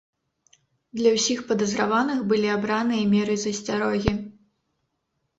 Для ўсіх падазраваных былі абраныя меры засцярогі.